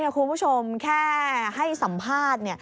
คุณผู้ชมแค่ให้สัมภาษณ์